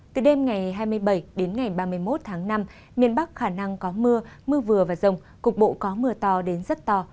từ đêm ngày hai mươi bảy đến ngày ba mươi một tháng năm miền bắc khả năng có mưa mưa vừa và rồng cục bộ có mưa to đến rất to